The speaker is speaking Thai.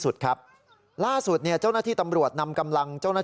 สุดครับล่าสุดเนี่ยเจ้าหน้าที่ตำรวจนำกำลังเจ้าหน้าที่